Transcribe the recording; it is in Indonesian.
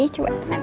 coba tengah nih